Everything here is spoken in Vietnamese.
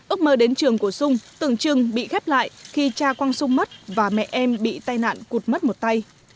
ước mơ đến trường của sung tưởng chừng bị khép lại khi cha quang sung mất và mẹ em bị tai nạn cụt mất một tay